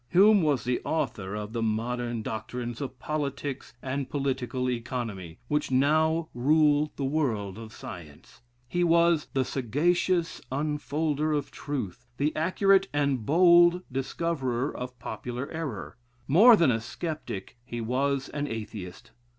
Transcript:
Hume was the author of the modern doctrines of politics and political economy, which now rule the world of science. He was "the sagacious unfolder of truth, the accurate and bold discoverer of popular error." More than a sceptic, he was an Atheist.